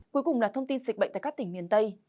cuối cùng là thông tin dịch bệnh tại các tỉnh miền tây